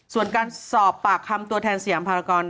ส่วนการสอบปากคำตัวแทนสยามภารกร